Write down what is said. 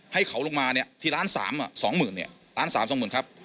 ให้เขาลงมาที่ล้าน๓ล้าน๓๒หมื่นครับ